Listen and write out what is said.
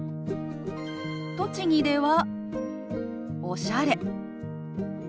栃木では「おしゃれ」。